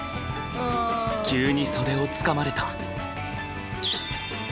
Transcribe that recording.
急に袖をつかまれた。